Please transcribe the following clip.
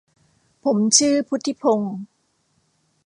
ผมชื่อพุฒิพงศ์